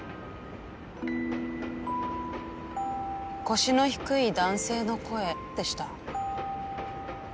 腰の低い男性の声でした。